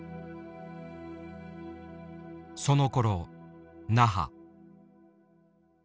そのころ那覇。